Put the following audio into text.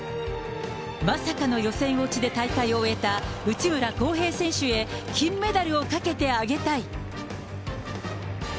まさかの予選落ちで大会を終えた内村航平選手へ金メダルをかけてあげたい。